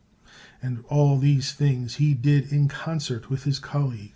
And all these things he did in concert with his coUeag.